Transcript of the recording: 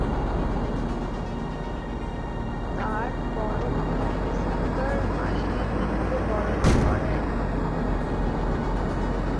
তার বড় ভাই ডিসেম্বর মাসে মৃত্যুবরণ করে।